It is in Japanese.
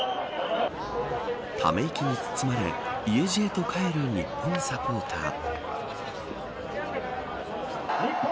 ため息に包まれ家路へと帰る日本サポーター。